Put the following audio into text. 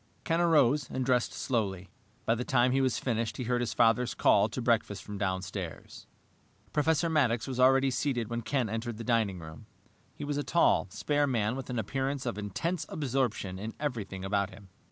Ken arose and dressed slowly. By the time he was finished he heard his father's call to breakfast from downstairs. Professor Maddox was already seated when Ken entered the dining room. He was a tall, spare man with an appearance of intense absorption in everything about him.